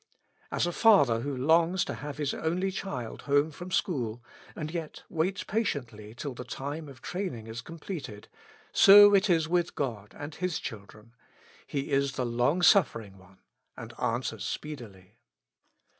As a father who longs to have his only child home from school, and yet waits patiently till the time of training is com pleted, so it is with God and His children ; He is the long suffering One and answers speedily.